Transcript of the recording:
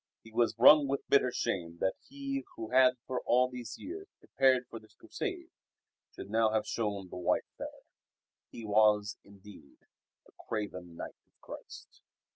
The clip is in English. He was wrung with bitter shame that he who had for all these years prepared for this Crusade should now have shown the white feather. He was, indeed, a craven knight of Christ.